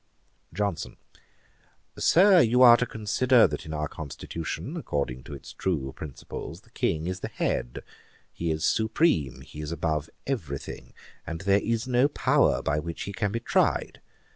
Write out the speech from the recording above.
JOHNSON. 'Sir, you are to consider, that in our constitution, according to its true principles, the King is the head; he is supreme; he is above every thing, and there is no power by which he can be tried.